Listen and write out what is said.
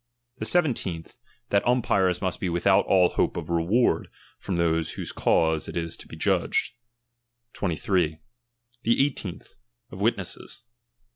The seventeenth, that umpires must be without all hope of reward from those whose cause is to be judged. 23. The eighteenth, of witnesses.